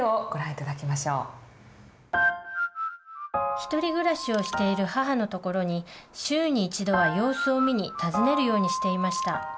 ひとり暮らしをしている母の所に週に一度は様子を見に訪ねるようにしていました。